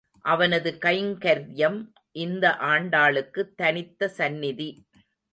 அவனது கைங்கர்யமே இந்த ஆண்டாளுக்கு தனித்த சந்நிதி.